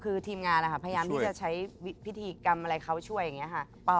คือทีมงานพยายามที่จะใช้พิธีกรรมอะไรเขาช่วยอย่างนี้ค่ะ